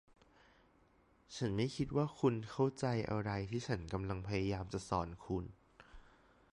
ฉันไม่คิดว่าคุณเข้าใจอะไรที่ฉันกำลังพยายามจะสอนคุณ